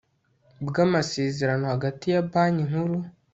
bw amasezereno hagati ya Banki Nkuru